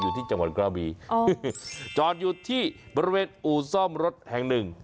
ที่จังหวัดกระบีจอดอยู่ที่บริเวณอู่ซ่อมรถแห่งหนึ่ง